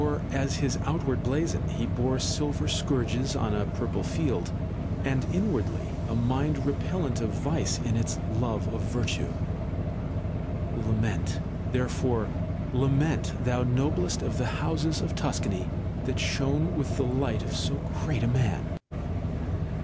218 5 C 18 LETTERS OF DANTE his outward blazon he bore silver scourges on a purple field, 1 and inwardly a mind repellent of vice in its love of virtue. Lament, therefore, lament, thou noblest of the houses of Tuscany, that shone with the light of so great a man